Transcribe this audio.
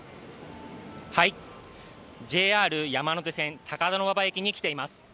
ＪＲ山手線・高田馬場駅に来ています。